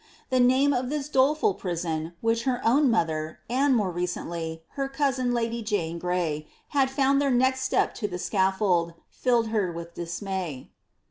'' The name of this doleful prison, which her own mother, aad, more recently, her cousin, lady Jane Gray, had found their next step to the scaflbld, filled her with dismay.